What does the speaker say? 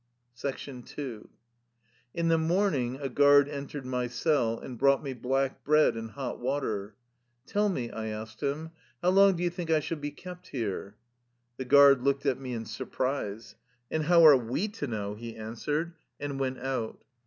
II In the morning a guard entered my cell and brought me black bread and hot water. " Tell me," I asked him, " how long do you think I shall be kept here? " The guard looked at me in surprise. "And how are we to know?" he answered, and went out.